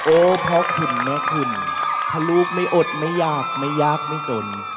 โอ้เพราะขุนแม่ขุนถ้าลูกไม่อดไม่ยากไม่ยากไม่จน